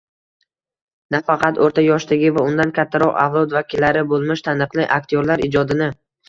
Nafaqat o‘rta yoshdagi va undan kattaroq avlod vakillari bo‘lmish taniqli aktyorlar ijodini